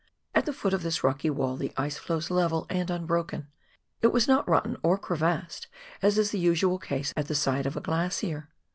At the foot of this rocky wall the ice flows level and unbroken ; it was not rotten or crevassed as is usually the case at the side of a glacier.